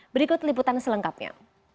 berikut liputan selengkapnya